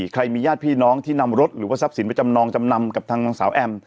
ใครมีญาติพี่น้องที่นำรถหรือว่าทรัพย์สินไปจำนองจำนำกับทางนางสาวแอม